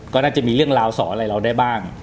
ก็น่าจะมีเรื่องราวสอนอะไรเราได้บ้าง